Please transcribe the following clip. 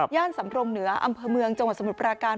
สำรงเหนืออำเภอเมืองจังหวัดสมุทรปราการ